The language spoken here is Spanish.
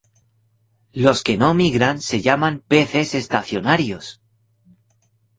Los que no migran se llaman peces estacionarios.